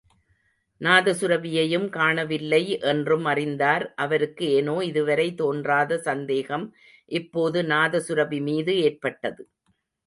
நாதசுரபியையும் காணவில்லை என்றும் அறிந்தார்.அவருக்கு ஏனோ இதுவரை தோன்றாத சந்தேகம் இப்போது நாதசுரபி மீது ஏற்பட்டது.